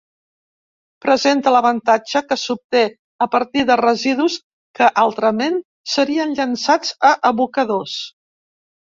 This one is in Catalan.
Presenta l'avantatge que s'obté a partir de residus que altrament serien llençats a abocadors.